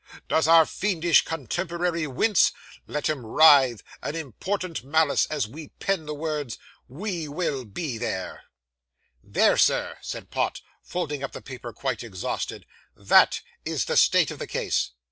Does our fiendish contemporary wince? Let him writhe, in impotent malice, as we pen the words, We will be there.' 'There, Sir,' said Pott, folding up the paper quite exhausted, 'that is the state of the case!